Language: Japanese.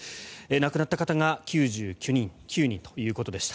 亡くなった方が９９人ということでした。